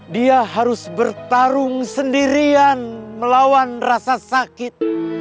dia harus bertarung sendirian melawan rasa sakit